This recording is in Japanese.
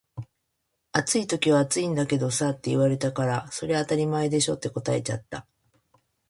「暑い時は暑いんだけどさ」って言われたから「それ当たり前でしょ」って答えちゃった